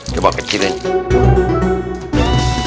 coba kecil aja